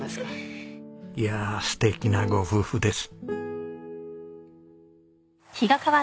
いやあ素敵なご夫婦です。